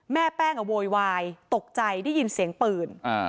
แม่แป้งโวยวายตกใจได้ยินเสียงปืน